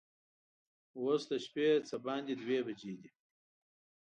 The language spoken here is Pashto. اوس د شپې څه باندې دوه بجې دي.